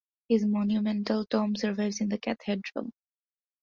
His monumental tomb survives in the cathedral.